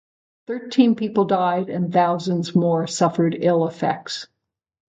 Thirteen people died and thousands more suffered ill effects.